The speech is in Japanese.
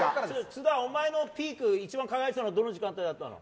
津田、お前のピーク一番輝いてたのはどの時間なの？